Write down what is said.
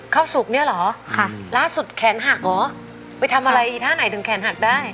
สุกเนี่ยเหรอค่ะล่าสุดแขนหักเหรอไปทำอะไรอีท่าไหนถึงแขนหักได้